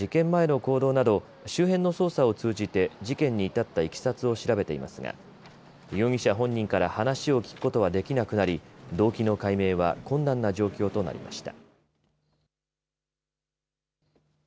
警察は、事件前の行動など周辺の捜査を通じて事件に至ったいきさつを調べていますが容疑者本人から話を聞くことはできなくなり動機の解明は困難な状況となりました。